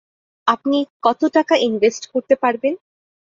আপনি কত টাকা ইনভেস্ট করতে পারবেন?